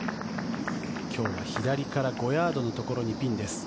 今日は左から５ヤードのところにピンです。